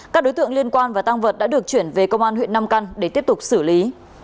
các đối tượng liên quan và tăng vật đã được chuyển về công an huyện nam căn để tiếp tục xử lý